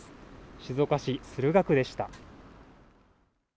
静岡市駿河区でした。